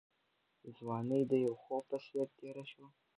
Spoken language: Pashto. ځواني د یو خوب په څېر تېره شوه.